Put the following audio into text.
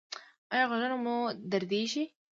ایا غوږونه مو دردیږي؟